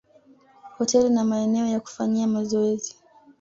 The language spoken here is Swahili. hoteli na maeneo ya kufanyia mazoezi